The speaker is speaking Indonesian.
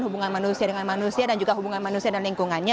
hubungan manusia dengan manusia dan juga hubungan manusia dan lingkungannya